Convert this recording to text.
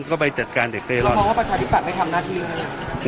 เขาก็ไปจัดการเด็กเล่นร่อนแล้วมองว่าประชาธิบัตรไม่ทำหน้าทีไหม